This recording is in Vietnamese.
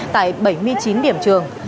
tại bảy mươi chín điểm trường